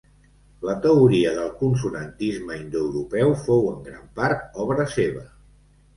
La teoria del consonantisme indoeuropeu fou en gran part obra seva.